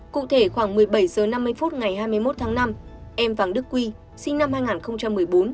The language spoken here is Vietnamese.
cụ thể khoảng một mươi bảy h năm mươi phút ngày hai mươi một tháng năm em vàng đức quy sinh năm hai nghìn một mươi bốn